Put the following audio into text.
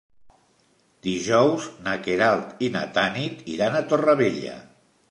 Dijous na Queralt i na Tanit iran a Torrevella.